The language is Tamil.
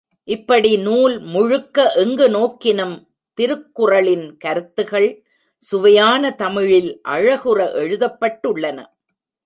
இப்படி நூல் முழுக்க எங்கு நோக்கினும் திருக்குறளின் கருத்துகள் சுவையான தமிழில் அழகுற எழுதப்பட்டுள்ளன.